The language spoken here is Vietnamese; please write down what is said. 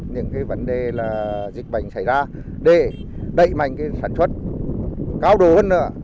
những vấn đề là dịch bệnh xảy ra để đẩy mạnh sản xuất cao đủ hơn nữa